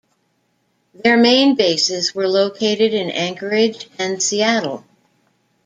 Their main bases were located in Anchorage and Seattle.